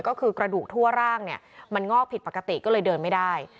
ก็คือกระดูกทั่วร่างเนี่ยมันงอกผิดปกติก็เลยเดินไม่ได้